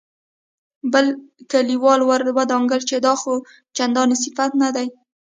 بل کليوال ور ودانګل چې دا خو چندان صفت نه دی.